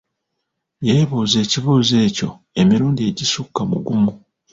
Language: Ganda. Yeebuuza ekibuuzo ekyo emirundi egisukka mu gumu.